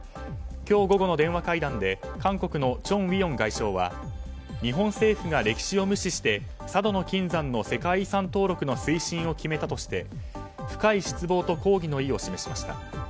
今日午後の電話会談で韓国のチョン・ウィヨン外相は日本政府が歴史を無視して佐渡島の金山の世界遺産登録の推進を決めたとして深い失望と抗議の意を示しました。